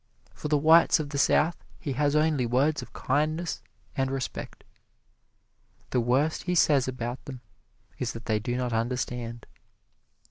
For the whites of the South he has only words of kindness and respect; the worst he says about them is that they do not understand.